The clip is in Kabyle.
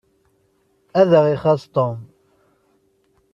Ad aɣ-ixaṣ Tom.